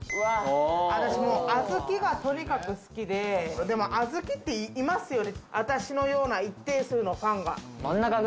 私、あずきがとにかく好きで、でもあずきっていますよね、私のような一定数のファンが。